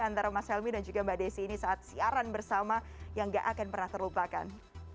antara mas helmy dan juga mbak desi ini saat siaran bersama yang gak akan pernah terlupakan